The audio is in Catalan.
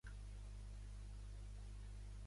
Mateu no creu a Sara, i tracta d'aturar l'arma.